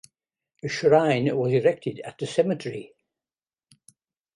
A shrine was erected at the cemetery.